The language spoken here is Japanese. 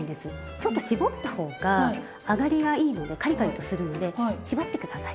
ちょっと絞った方が揚がりがいいのでカリカリとするので絞って下さい。